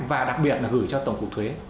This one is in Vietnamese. và đặc biệt là gửi cho tổng cụ thuế